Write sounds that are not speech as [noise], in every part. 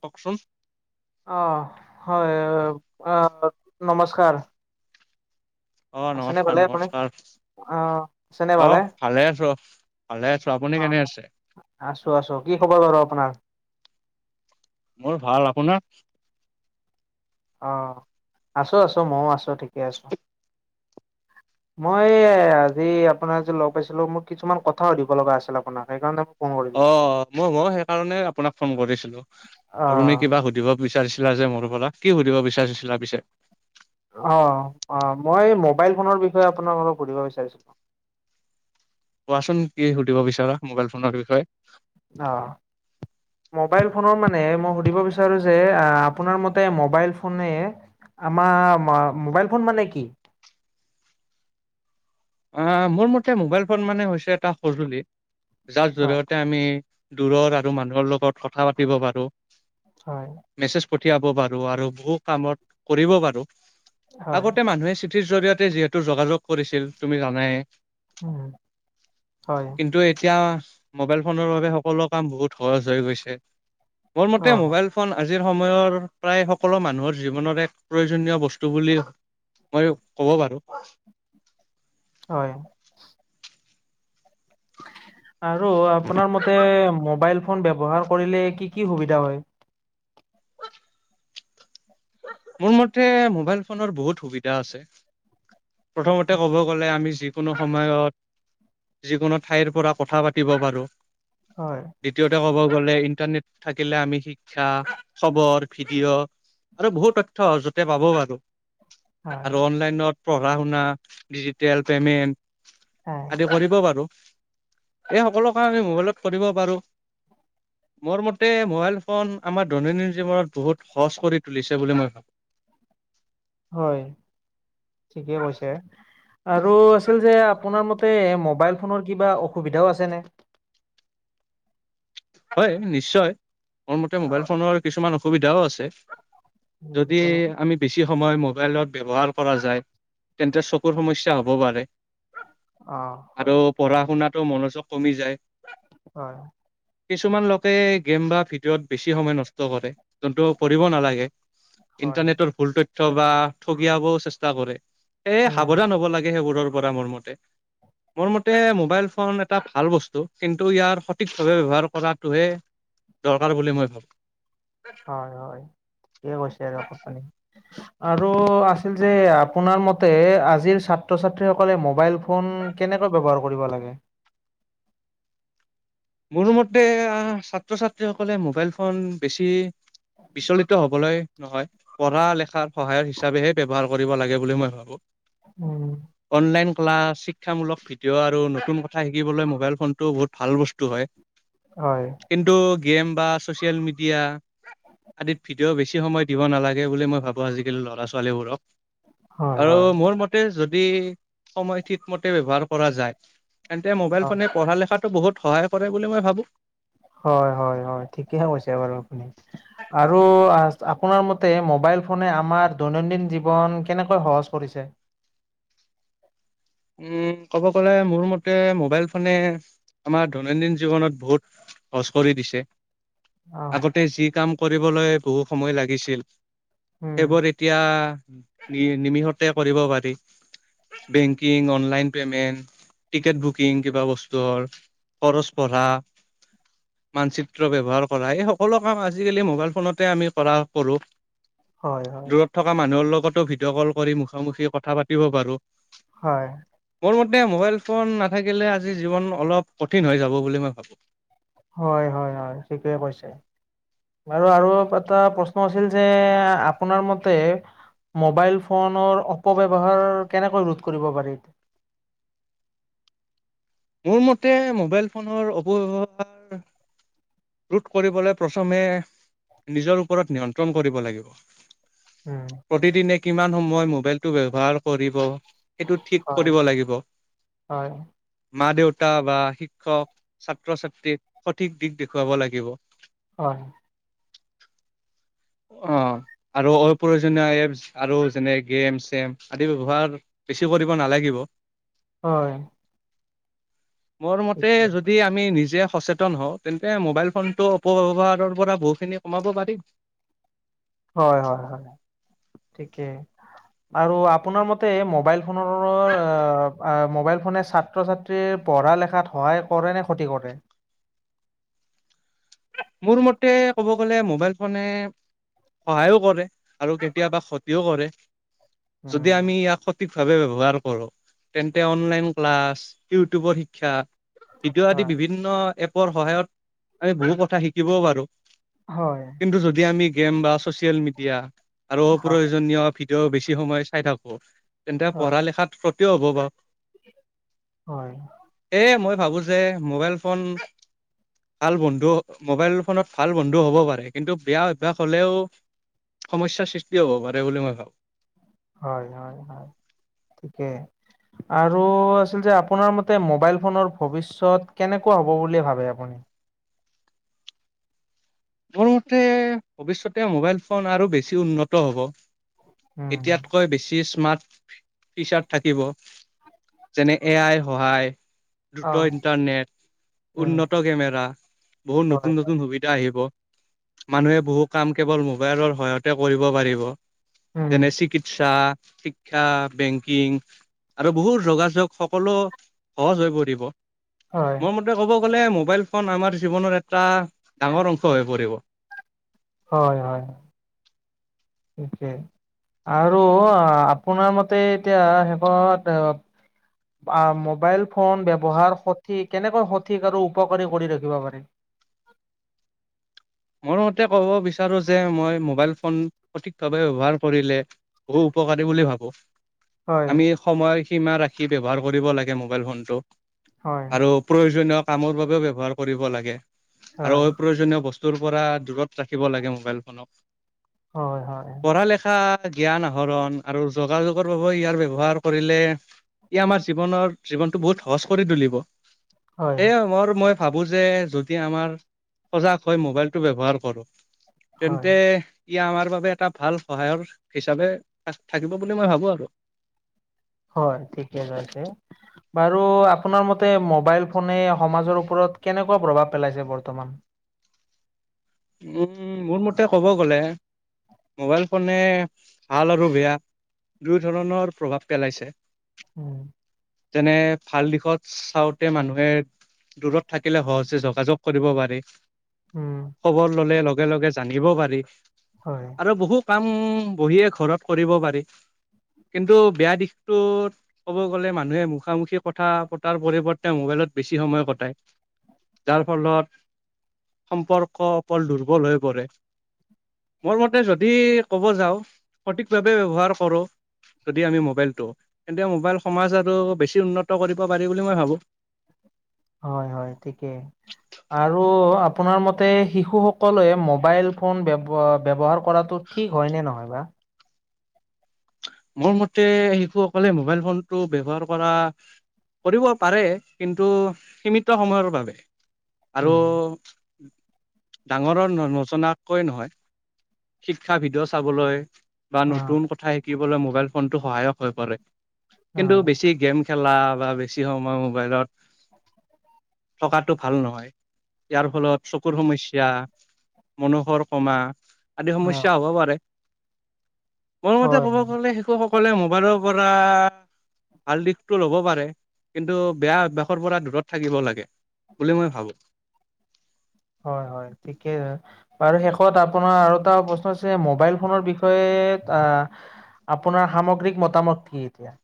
কওঁকচোন। অ' হয় নমস্কাৰ। অ' আছেনে নমস্কাৰ, ভালে আপুনি নমস্কাৰ অহ আছেনে অ' ভালে আছোঁ। ভালে আছোঁ। আপুনি কেনে আছে? আছোঁ, আছোঁ। কি খবৰ বাৰু আপোনাৰ? মোৰ ভাল, আপোনাৰ? অ' আছোঁ আছোঁ ময়ো আছোঁ ঠিকে আছোঁ। মই এই আজি আপোনাক যে লগ পাইছিলোঁ। মোক কিছুমান কথা সুধিব লগা আছিল আপোনাক সেইকাৰণে ফোন কৰিলো অ' মইয়ো মই সেইকাৰণে আপোনাক ফোন কৰিছিলোঁ অ আৰু তুমি কিবা সুধিব বিচাৰিছিলা যে মোৰ পৰা কি সুধিব বিচাৰিছিলা পিছে অ' অ' অ' মই এই মোবাইল ফোনৰ বিষয়ে আপোনাক অলপ সুধিব বিচাৰিছিলোঁ। কোৱাচোন কি সুধিব বিছৰা মোবাইল ফোনৰ বিষয়ে। অ' মোবাইল ফোনৰ মানে মই সুধিব বিচাৰোঁ যে আহ আপোনাৰ মতে মবাইল ফোনে আমাৰ মোবাইল ফোন মানে কি? [inaudible] অ' মোৰ মতে মোবাইল ফোন মানে হৈছে এটা সঁজুলি যাৰ হয় জৰিয়তে আমি দূৰৰ আৰু মানুহৰ লগত কথা পাতিব পাৰোঁ। হয়। পঠিয়াব পাৰো আৰু বহু কামত কৰিব পাৰো হয় আগতে মানুহে চিথ জৰিয়তে যিহেতু যোগাযোগ কৰিছিল, তুমি জানায়ে। উম' হয়। কিন্তু এতিয়া মোবাইল ফোনৰ বাবে সকলো কাম বহুত সহজ হৈ গৈছে। মোৰ মতে অ', মোবাইল ফোন আজি আজিৰ সময়ৰ প্ৰায় সকলো মানুহৰ জীৱনৰ এক প্ৰয়োজনীয় বস্তু বুলি মইয়ো ক'ব পাৰো। হয়। [unintelligible] আৰু আপোনাৰ মতে মোবাইল ফোন ব্যৱহাৰ কৰিলে, কি কি সুবিধা হয়? মোৰ মতে মোবাইল ফোনৰ বহুত সুবিধা আছে। প্ৰথমতে ক'ব গ'লে, আমি যিকোনো সময়ত যিকোনো ঠাইৰ পৰা কথা পাতিব পাৰো। হয়, দ্বিতীয়তে ক'ব গ'লে ইণ্টাৰনেট থাকিলে আমি শিক্ষা খবৰ ভিডিঅ' আৰু বহুত তৈথ্য সহযতে পাব পাৰো। হয়, আৰু অনলাইনত পঢ়া শুনা, ডিজিটেল পেমেন্ট। হয়, আদি কৰিব পাৰোঁ। এই সকলো কাম আমি মোবাইলত কৰিব পাৰোঁ। মোৰ মতে মোবাইল ফোন আমাৰ দৈনন্দিন জীৱনত বহুত সহজ কৰি তুলিছে বুলি মই ভাবোঁ। হয়, ঠিকে কৈছে। আৰু আছিল যে আপোনাৰ মতে মবাইল ফোনৰ কিবা অসুবিধাও আছেনে। হয় নিশ্চয় মোৰ মতে মোবাইল হয়, ফোনৰ কিছুমান অসুবিধাও আছে। উম, যদি কেনে আমি বেছি সময় মোবাইলত ব্যৱহাৰ কৰা যায়। তেন্তে চকুৰ সমস্যা হ'ব পাৰে, অ', হয়, আৰু পঢ়া শুনাত টো মনোযোগ কমি যায়। হয়। কিছুমান লোকে গেম বা ভিডিঅ'ত বেছি সময় নষ্ট কৰে। যোনটো কঢ়িব নালাগে, হয়, ইণ্টাৰনেটৰ ভুল তথ্য বা ঠগিয়াবও চেষ্টা কৰে। এ উম, সাৱধান হ'ব লাগে সেইবোৰৰ পৰা মোৰ মতে। মোৰ মতে মোবাইল ফোন এটা ভাল বস্তু, কিন্তু ইয়াৰ সঠিকভাৱে ব্যৱহাৰ কৰাটোহে দৰকাৰ বুলি মই ভাবোঁ। হয় হয় ঠিকে কৈছে আৰু আপুনি। [inaudible] আৰু আছিল যে আপোনাৰ মতে আজিৰ ছাত্ৰ-ছাত্ৰীসকলে মোবাইল ফোন কেনে ব্যৱহাৰ কৰিব লাগে। [inaudible] মোৰ মতে অহ, ছাত্ৰ ছাত্ৰীসকলে মোবাইল ফোন বেছি বিচলিত হ'বলৈ নহয়। পঢ়া লেখাৰ সহায়ক হিচাপেহে ব্যৱহাৰ কৰিব লাগে বুলি মই ভাবোঁ। উম'। প্লাছ শিক্ষামূলক ভিডিঅ' আৰু নতুন কথা শিকিবলৈ মোবাইল ফোনটো বহুত ভাল বস্তু হয়। হয়। কিন্তু গেম বা ছ'চিয়েল মিডিয়া আদিত ভীত ভিডিঅ' বেছি সময় দিব নালাগে বুলি মই ভাবোঁ আজিকালি ল'ৰা-ছোৱালীবোৰক। হয়, হয়, আৰু হয়। মোৰ মতে যদি, সময় ঠিক মতে ব্যৱহাৰ কৰা যায়। তেন্তে, মোবাইল ফোনে পঢ়া-লিখাতটো বহুত সহায় কৰে বুলি মই ভাবোঁ। হয়, হয়, হয়, ঠিকেহে কৈছে বাৰু আপুনি। আৰু আ-আপোনাৰ মতে, মোবাইল ফোনে আমাৰ দৈনন্দিন জীৱন কেনেকৈ সহজ কৰিছে? [inaudible] উম' ক'ব গ'লে, মোৰ মতে মোবাইল ফোনে, আমাৰ দৈনন্দিন জীৱনত বহুত কৰি দিছে, অহ আগতে যি কাম কৰিবলৈ বহু সময় লাগিছিল উম সেইবোৰ এতিয়া নিমিষতে কৰিব পাৰি। Bank banking, online payment ticket booking কিবা বস্তৰ, খৰচ পঢ়া মানচিত্ৰ ব্যৱহাৰ কৰা এই সকলো কাম আজিকালি মোবাইল ফোনতে আমিতে কৰা কৰোঁ। হয় হয়। দূৰত থকা মানুহৰ লগতো ভিডিঅ' কল কৰি মুখামুখি কথা পাতিব পাৰোঁ। হয়, মোৰ মতে মোবাইল ফোন নাথাকিলে, আজি জীৱন অলপ কঠিন হৈ যাব বুলি মই ভাবোঁ। হয়, হয়, হয়, ঠিকে কৈছে। আৰু, আৰু এটা প্ৰশ্ন আছিল যে, আপোনাৰ মতে মোবাইল ফোনৰ অপব্যৱহাৰ কেনেকৈ ৰোধ কৰিব পাৰি? মোৰ মতে মোবাইল ফোনৰ অপব্যৱহাৰ‌ ৰোধ কৰিবলৈ প্ৰথমে, নিজৰ ওপৰত নিয়ন্ত্ৰণ কৰিব লাগিব। উম প্ৰতিদিনে কিমান সময় মোবাইলটো ব্যবহাৰ কৰিব। সেইটো ঠিক হয় কৰিব লাগিব। হয়। মা, দেউতা, বা শিক্ষক, ছাত্ৰ ছাত্ৰীক সঠিক দিশ দেখুৱাব লাগিব। হয়, অ', আৰু অপ্ৰয়োজনীয় এপছ আৰু যেনে গেম, চেম আদিৰ ব্যৱহাৰ বেছি কৰিব নালাগিব। হয়, মোৰ মতে যদি আমি নিজে সচেতন হওঁ, তেন্তে মোবাইল ফোনটো অপব্যৱহাৰ‌ পৰা বহুখিনি কমাব পাৰিম। হয়, হয়, হয়, ঠিকে। আৰু আপোনাৰ মতে মোবাইল ফোনৰ, আহ মোবাইল ফোনে ছাত্ৰ ছাত্ৰীৰ পঢ়া লেখাত সহায় কৰে নে, ক্ষতি কৰে? মোৰ মতে ক'ব। গলে মোবাইল ফোনে সহায়ও কৰে, আৰু কেতিয়াবা ক্ষতিও কৰে। যদি উম আমি ইয়াক স। ঠিক ভাৱে ব্যৱহাৰ কৰো, তেন্তে অনলাইন ক্লাছ, ইউটিউবৰ শিক্ষা। ভিডিঅ' আদি, হয়। বিভিন্ন এপৰ সহায়ত, আমি বহু কথা শিকিবও পাৰোঁ। হয়। কিন্তু, যদি আমি গেম বা ছ'চিয়েল মিডিয়া, আৰু হয় অপ্ৰয়োজনীয় ভি। ডিঅ বেছি সময় চাই থাকো, তেন্তে পঢ়া-লিখাত ক্ষতিও হ'ব বা। হয়। ভাবো যে, মোবাইল ফোন ভাল বন্ধু। মোবাইল ফোনত ভাল বন্ধু হ'ব পাৰে, কিন্তু, বেয়া অভ্যাস হ'লেও। সমস্যাৰ সৃষ্টি হ'ব পাৰে বুলি, মই ভাবোঁ। হয়, হয়, হয়, ঠিকে। আৰু আছিল যে আপোনাৰ মতে, মোবাইল ফোনৰ ভৱিষ্যত কেনেকুৱা হ'ব বুলি ভাৱে, আপুনি? [inaudible] [unintelligible] মোৰ মতে ভৱিষ্যতে মোবাইল ফোন, আৰু বেছি উন্নত হ'ব। উম। এতিয়াতকৈ বেছি স্মাৰ্ট। ফিচাৰ থাকিব, যেনে এ আই সহায়। অ। দ্ৰুত ইন্টাৰনেট, উম উন্নত কেমেৰা, বহুত হয় নতুন-নতুন সুবিধা আহিব। মানুহে বহু কাম, কেৱল মোবাইলৰ সহায়তে কৰিব পাৰিব। উম যেনে চিকিৎসা, শিক্ষা, বেংকিং। আৰু বহু, যোগাযোগ সকলো সহজ হৈ পৰিব। হয় মোৰ মতে ক'ব গ'লে, মোবাইল ফোন আমাৰ জীৱনৰ এটা ডাঙৰ অং। হয় পৰিব। হয় হয় তাকে আৰু আ আপোনাৰ মতে এতিয়া শেষত মোবাইল ফোন ব্যৱহাৰ সঠি কেনেকৈ সঠিক আৰু উপকাৰী কৰি ৰাখিব পাৰি? মোৰ ক'ব বিচাৰো যে মই, মোবাইল ফোন সঠিকভাৱে ব্যৱহাৰ কৰিলে বহু উপকাৰী বুলি ভাৱো। হয় আমি সময় সীমা ৰাখি ব্যৱহাৰ কৰিব লাগে মোবাইল ফোনটো। হয় আৰু প্ৰয়োজনীয় কামৰ বাবেও ব্যৱহাৰ কৰিব লাগে, আৰু হয় অপ্ৰয়োজনীয় বস্ত তোৰ পৰা দূৰত ৰাখিব লাগে মোবাইল ফোনক। হয়-হয়। পঢ়া লেখা জ্ঞান আহৰণ, আৰু যোগাযোগৰ বাবেও ইয়াৰ ব্যৱহাৰ কৰিলে ই আমাৰ জীৱনৰ, জীৱনটো বহুত সহজ কৰি তুলিব। হয় এই ম'ৰ মই ভাবো যে যদি আমাৰ, সজাগ হৈ মোবাইলটো ব্যৱহাৰ কৰো, হয় তেন্তে ই আমাৰ বাবে এটা ভাল সহায়ৰ হিচাপে থাকিব বুলি মই ভাবোঁ আৰ। হয় ঠিকে আছে। বাৰু, আপোনাৰ মতে মোবাইল ফোনে সমাজৰ ওপৰত কেনেকুৱা প্ৰভাৱ পেলাইছে, বৰ্তমান? উম, মোৰ মতে ক'ব গ'লে মোবাইল ফোনে, ভাল আৰু বেয়া, দুই ধৰণৰ প্ৰভাৱ পেলাইছে। উম। যেনে ভাল দিশত চাওতে মানুহে দূৰত থাকিলে সহজে যোগাযোগ কৰিব পাৰে। উম, খবৰ ল'লে লগে - লগে জানিব পাৰি হয় আৰু বহু কাম উম, বহিয়ে ঘৰত কৰিব পাৰি। কিন্তু বেয়া দিশটোত ক'ব গ'লে, মানুহে মুখামুখি কথা পতাৰ পৰিৱৰ্তে মোবাইলত বেছি সময় কটায়, যাৰ ফলত সম্পৰ্ক অকল দুৰ্বল হৈ পৰে। মোৰ মতে যদি ক'ব যাওঁ, সঠিকভাৱে ব্যৱহাৰ কৰো যদি আমি মোবাইলটো তেন্তে মোবাইল সমাজ আৰু বেছি উন্নত কৰিব পাৰি বুলি মই ভাবোঁ। হয়, হয় ঠিকে। আৰু আপোনাৰ মতে শিশুসকলে মোবাইল ফোন ব্যৱ-ব্যৱহাৰ কৰাটো ঠিক হয় নে নহয় বা? মোৰ মতে শিশুসকলে মোবাইল ফোনটো ব্যৱহাৰ কৰা কৰিব পাৰে, কিন্তু সীমিত সময়ৰ বাবে, আৰু উম ডাঙৰৰ ন-নজনাকৈ নহয়, শিক্ষা ভিডিঅ' চাবলৈ। বা অ নতুন কথা শিকিবলৈ মোবাইল ফোনটো সহায়ক হৈ পৰে, কিন্তু বেছি গেম খেলা বা বেছি সময় মোবাইলত থকাটো ভাল নহয়, ইয়াৰ ফলত চকুৰ সমস্যা মনোসৰ কমা, আদি অ অ সমস্যা হ'ব পাৰে। ইয়াতে হয় ক'ব গ'লে শেষত সকলোৱে মোবাইলৰ পৰা ভাল দিশটো ল'ব পাৰে, কিন্তু বেয়া অভ্যাসৰ পৰা দূৰত থাকিব লাগে। বুলি মই ভাবোঁ। হয়, হয় ঠিকেই, বাৰু শেষত আপোনাৰ আৰু এটা প্ৰশ্ন আছে মোবাইল ফোনৰ বিষয়ে কেট আহ আপোনাৰ সামগ্ৰিক মতামত কি এতিয়া?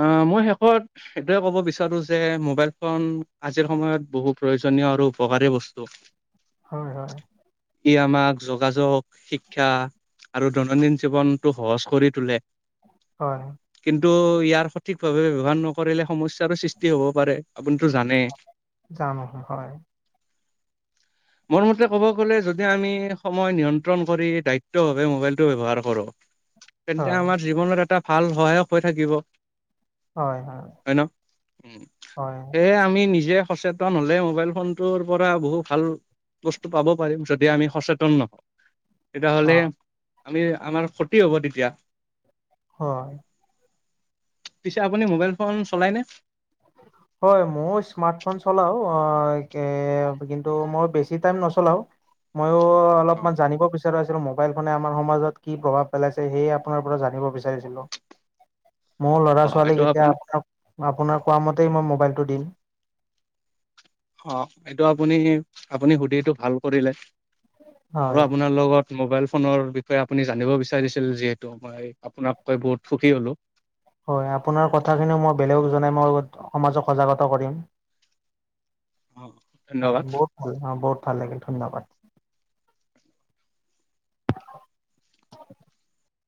অ' মই শেষত এইটোৱে ক'ব বিচাৰোঁ যে, মোবাইল ফোন আজিৰ সময়ত বহু প্ৰয়োজন। প্ৰয়োজনীয় আৰু উপকাৰী বস্তু। হয়, হয়, ই আমাক যোগাযোগ, শিক্ষা আৰু দৈনন্দিন জীৱনটো সহজ কৰি তোলে। হয়, টো, ইয়াৰ সঠিক ভাৱে ব্যৱহাৰ নকৰিলে সমস্যাৰো সৃষ্টি হ'ব পাৰে, আপুনিটো জানে। জানোঁ, হয়, [inaudible] মোৰ মতে ক'ব গ'লে যদি আমি সময় নিয়ন্ত্ৰণ কৰি দায়িত্বভাৱে মোবাইলটো ব্যৱহাৰ কৰোঁ তেন্তে হয় আমাৰ জীৱনত এটা ভাল সহায়ক হৈ থাকিব। হয় ন' উম, হয় সেয়ে আমি নিজে সচেতন হ'লে মোবাইল ফোনটোৰ পৰা বহু ভাল বস্তু পাব পাৰিম যদি আমি সচেতন ন অ তেতিয়াহ'লে আমি আমাৰ ক্ষতি হ'ব তেতিয়া। হয়। পিছে আপুনি মোবাইল ফোন চলাইনে? হয়, মইও স্মাৰ্টফোন চলাওঁ কিন্তু মই বেছি টাইম নচলাওঁ। ময়ো অলপমান জানিব বিচৰা হৈছিল মোক। মোবাইল ফোনে আমাৰ সমাজত কি প্ৰভাৱ পেলাইছে সেয়ে আপোনাৰ পৰা জানিব বিচাৰিছিলোঁ। মোৰ অ ল'ৰা-ছোৱালীক এইটো এতিয়া আপুনি আপ- আপোনাক। কোৱামতেই মই মোবাইলটো দিম। অ' এইটো আপুনি আপুনি সুধিটো ভাল কৰিলে। মোৰো হয় আপোনাৰ লগত মোবাইল ফোনৰ বিষয়ে আপুনি জানিব বিচাৰিছিল যিহেতু মই আপোনাক কৈ বহুত সুখী হ'লো। হয়, আপোনাৰ কথাখিনিও মই বেলেগক জনাই মই লগ সমাজক সজাগতা কৰিম। হয়, ধন্যবাদ। বহুত ভাল অ' বহুত ভাল লাগিল। ধন্যবাদ!